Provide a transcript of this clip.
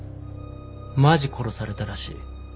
マジ殺されたらしい。